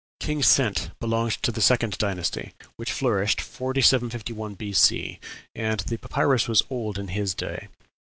King Sent belonged to the second dynasty, which flourished 4751 B.C., and the papyrus was old in his day.